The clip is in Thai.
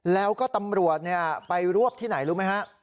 แล้วก็ตำรวจไปรวบที่ไหนรู้ไหมฮะ